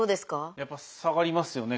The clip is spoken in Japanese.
やっぱ下がりますよね